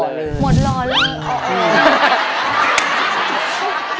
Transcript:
หมดรอเลย